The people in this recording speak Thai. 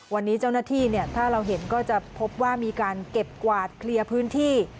วันนี้เจ้าหน้าที่ถ้าเราเห็นก็จะพบว่ามีการเก็บกวาดเคลียร์พื้นที่